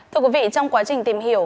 thưa quý vị trong quá trình tìm hiểu